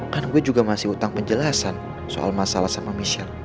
kan gue juga masih utang penjelasan soal masalah sama michelle